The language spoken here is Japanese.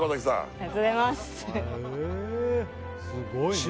ありがとうございます島